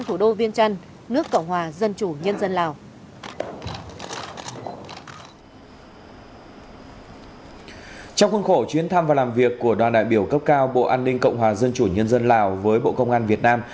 trong khuôn khổ chuyến thăm và làm việc của đoàn đại biểu cấp cao bộ an ninh cộng hòa dân chủ nhân dân lào với bộ công an việt nam